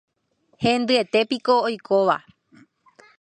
Hendyetépiko oikóva.